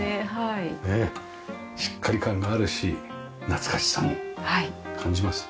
しっかり感があるし懐かしさも感じます。